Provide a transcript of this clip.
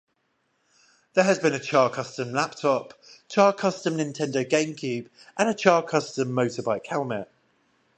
There has been a Char-custom laptop, Char-custom Nintendo Gamecube, and a Char-custom motorbike helmet.